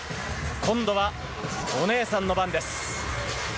今度はお姉さんの番です。